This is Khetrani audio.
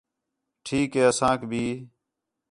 ٹھیک ہِے اسانک بھی